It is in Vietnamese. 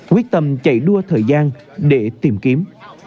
quyết tâm chạy đua thời gian để tìm kiếm